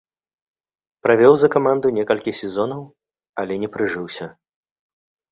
Правёў за каманду некалькі сезонаў, але не прыжыўся.